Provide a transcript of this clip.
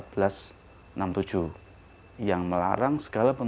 yang melarang segala bentuk ekspresi kebudayaan